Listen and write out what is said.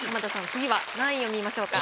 次何位を見ましょうか？